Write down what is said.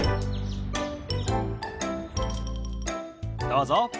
どうぞ。